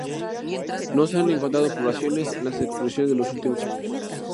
No se han encontrado poblaciones en las exploraciones de los últimos años.